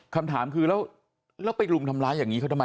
คำถามคือแล้วไปรุมทำร้ายอย่างนี้เขาทำไม